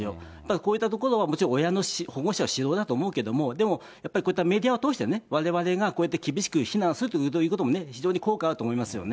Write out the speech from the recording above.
こういったところは、もちろん親の、保護者の指導だと思うけれども、でも、やっぱりこうやってメディアを通してね、われわれがこうやって厳しく非難するということもね、非常に効果あると思いますよね。